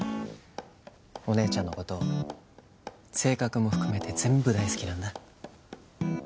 お姉ちゃんのこと性格も含めて全部大好きなんだ